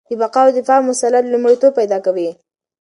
د بقا او دفاع مسله لومړیتوب پیدا کوي.